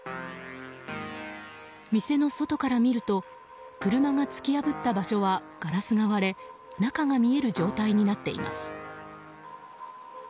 店の外から見ると車が突き破った場所はガラスが割れ中が見える状態になっています。